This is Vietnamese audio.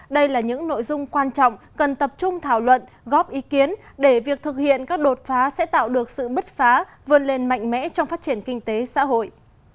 đây là những nội dung quan trọng cần tập trung thảo luận góp ý kiến để việc thực hiện các đột phá sẽ tạo được sự bứt phá vươn lên mạnh mẽ trong phát triển kinh tế xã hội